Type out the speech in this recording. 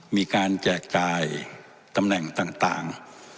มีการแจกจ่ายตำแหน่งต่าง